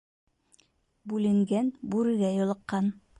Бүленгән бүрегә юлыҡҡан.